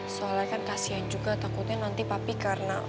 soalnya kan kasihan juga takutnya nanti papi karena